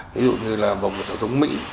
ví dụ như là bộ phòng thủ thống mỹ